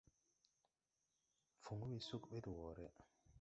Fuŋ we sug ɓɛ de wɔɔre.